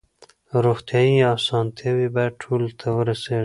روغتیايي اسانتیاوې باید ټولو ته ورسیږي.